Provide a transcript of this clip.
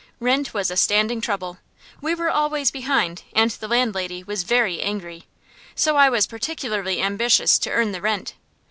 Rent was a standing trouble. We were always behind, and the landlady was very angry; so I was particularly ambitious to earn the rent.